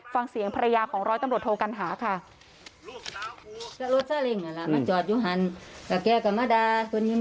ฟังเสียงภรรยาของร้อยตำรวจโทกัณหาค่ะ